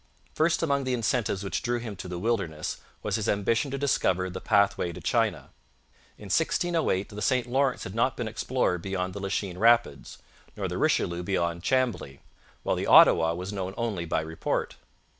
First among the incentives which drew him to the wilderness was his ambition to discover the pathway to China. In 1608 the St Lawrence had not been explored beyond the Lachine Rapids, nor the Richelieu beyond Chambly while the Ottawa was known only by report.